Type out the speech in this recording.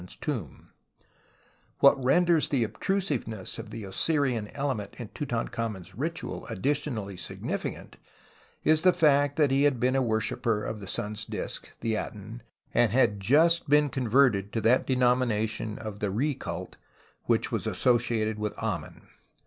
THE ETHICS OF DESECRATION 133 Wniat renders the obtrusiveiiess of the Osirian element in Tutankhamen's ritual additionally signifieant is the faet that lie had been a worshipper of the sun's disc, the Aton, and had just been converted to that denom ination of the He cult which was associated with Amen.